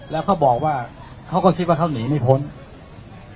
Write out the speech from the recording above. แล้วเขาบอกว่าเขาก็คิดว่าเขาหนีไม่พ้น